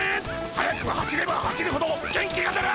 速く走れば走るほど元気が出る！